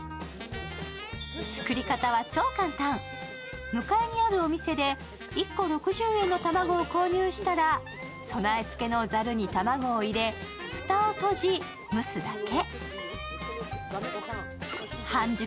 作り方は超簡単、向かいにあるお店で１個６０円の卵を購入したら、備え付けのざるに卵を入れ、蓋を閉じ蒸すだけ。